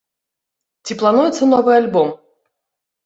Ці плануецца новы альбом?